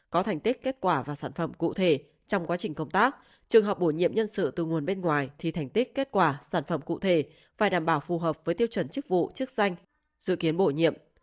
có thành tích kết quả và sản phẩm cụ thể trong quá trình công tác trường hợp bổ nhiệm nhân sự từ nguồn bên ngoài thì thành tích kết quả sản phẩm cụ thể phải đảm bảo phù hợp với tiêu chuẩn chức vụ chức danh dự kiến bổ nhiệm